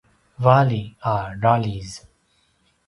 vali a raljiz